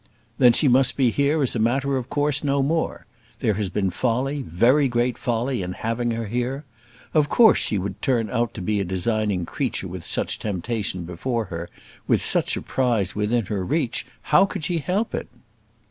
"Then she must be here as a matter of course no more: there has been folly, very great folly, in having her here. Of course she would turn out to be a designing creature with such temptation before her; with such a prize within her reach, how could she help it?"